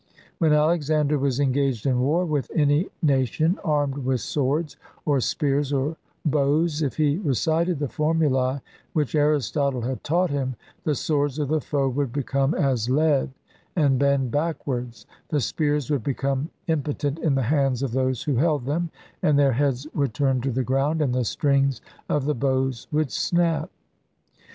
When Alexander was engaged in war with any nation armed with swords, or spears, or bows, if he recited the formulae which Aristotle had taught him, the swords of the foe would become as lead and bend backwards, the spears would become im potent in the hands of those who held them and their heads would turn to the ground, and the strings of the bows would snap.